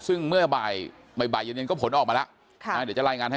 ซึ่งเมื่อบ่ายเย็นก็ผลออกมาล่ะ